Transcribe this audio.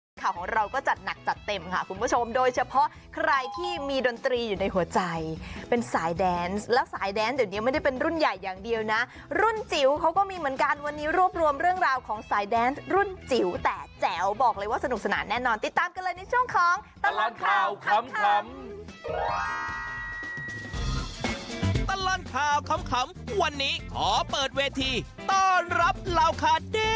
ข่าวของเราก็จัดหนักจัดเต็มค่ะคุณผู้ชมโดยเฉพาะใครที่มีดนตรีอยู่ในหัวใจเป็นสายแดนส์แล้วสายแดนเดี๋ยวนี้ไม่ได้เป็นรุ่นใหญ่อย่างเดียวนะรุ่นจิ๋วเขาก็มีเหมือนกันวันนี้รวบรวมเรื่องราวของสายแดนรุ่นจิ๋วแต่แจ๋วบอกเลยว่าสนุกสนานแน่นอนติดตามกันเลยในช่วงของตลอดข่าวขำวันนี้ขอเปิดเวทีต้อนรับ